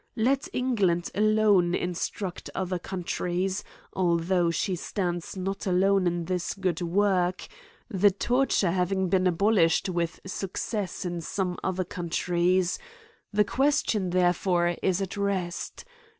Let England alone instruct other countries, although she stands not alone in this good work ; the torture having been abolished with success in some other countries — The question, therefore, is at rest.